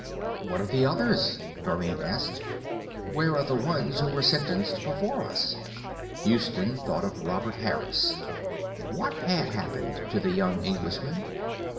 "What of the others?" Dorrine asked. "Where are the ones who were sentenced before us?" Houston thought of Robert Harris. What had happened to the young Englishman?